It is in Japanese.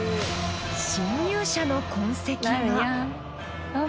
侵入者の痕跡が。